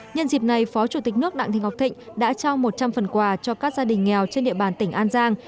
nhân dịp này phó chủ tịch nước đặng thị ngọc thịnh đã trao một trăm linh phần quà cho các gia đình nghèo trên địa bàn tỉnh an giang